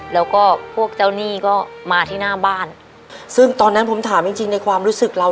แล้วก็พวกเจ้าหนี้ก็มาที่หน้าบ้านซึ่งตอนนั้นผมถามจริงจริงในความรู้สึกเรา